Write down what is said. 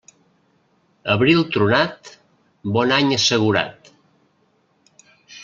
Abril tronat, bon any assegurat.